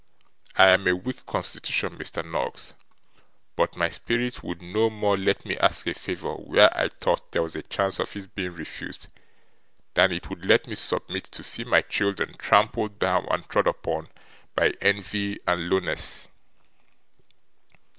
I am a weak constitution, Mr. Noggs, but my spirit would no more let me ask a favour where I thought there was a chance of its being refused, than it would let me submit to see my children trampled down and trod upon, by envy and lowness!